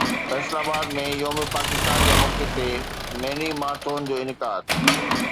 فيصل آباد ۾ يوم پاڪستان جي موقعي تي ميني مارٿون جو انعقاد